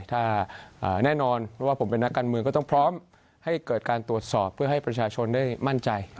ถ้าแน่นอนว่าผมเป็นนักการเมืองก็ต้องพร้อมให้เกิดการตรวจสอบเพื่อให้ประชาชนได้มั่นใจ